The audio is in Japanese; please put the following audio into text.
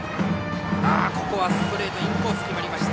ここはストレートインコース決まりました。